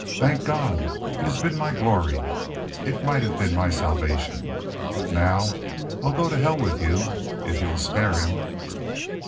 ... Thank God! It has been my glory.... It might have been my salvation.... But now I'll go to hell with y'u if y'u'll spare him."